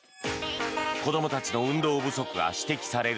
子どもたちの運動不足が指摘される